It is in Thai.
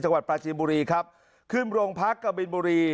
จังหวัดปลาจีนบุรีครับขึ้นโรงพักกะบินบุรี